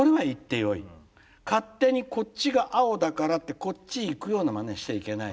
勝手にこっちが青だからってこっち行くようなまねはしちゃいけない。